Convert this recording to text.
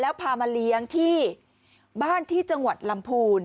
แล้วพามาเลี้ยงที่บ้านที่จังหวัดลำพูน